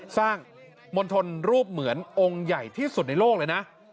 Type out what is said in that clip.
มณฑลรูปเหมือนองค์ใหญ่ที่สุดในโลกเลยนะ